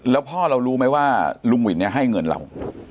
แล้วพ่อเรารู้ไหมว่าลุงวินเนี่ยให้เงินเรา